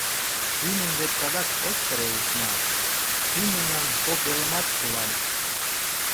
Шӱмым вет садак ок чаре ушна, Шӱм мемнан кок велымат тулан…